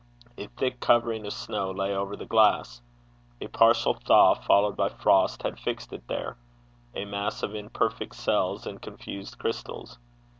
A thick covering of snow lay over the glass. A partial thaw, followed by frost, had fixed it there a mass of imperfect cells and confused crystals.